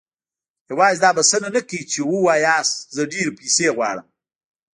يوازې دا بسنه نه کوي چې وواياست زه ډېرې پيسې غواړم.